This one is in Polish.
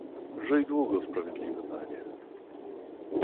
"żyj długo, sprawiedliwy panie!"